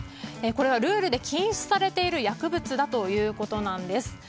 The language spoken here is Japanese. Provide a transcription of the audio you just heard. これはルールで禁止されている薬物だということなんです。